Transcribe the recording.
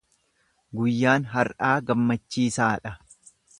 Guyyaan har’aa gammachiisaa dha.